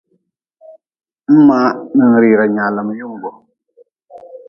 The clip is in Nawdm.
Mʼmaa ninrira nyaalm yunggu.